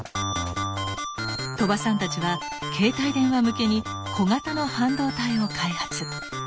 鳥羽さんたちは携帯電話向けに小型の半導体を開発。